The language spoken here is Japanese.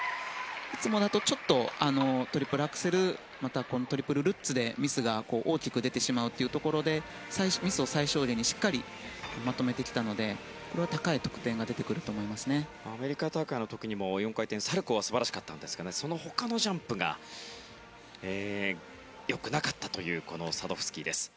いつもだとトリプルアクセルまたトリプルルッツでミスが大きく出てしまうというところでミスを最小限にしっかりまとめてきたのでアメリカ大会でも４回転サルコウは素晴らしかったんですがその他のジャンプが良くなかったというサドフスキーでした。